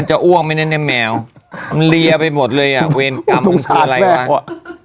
มันจะอ้วงไปในแมวมันเรียไปหมดเลยเวรร์กรรมมันคิดอะไรวะ